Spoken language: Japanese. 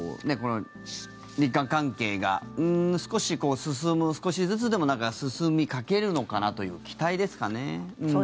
日韓関係が少し進む少しずつでも進みかけるのかなという期待ですかね。